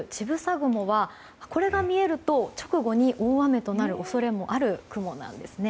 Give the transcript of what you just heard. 雲はこれが見えると直後に大雨となる恐れがある雲なんです。